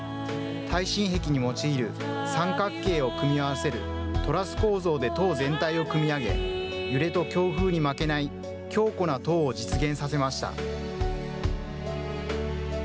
耐震璧に用いる三角形を組み合わせる、トラス構造で塔全体を組み上げ、揺れと強風に負けない、強固な塔を実現させました。